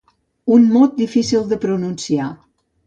Un mot difícil de pronunciar.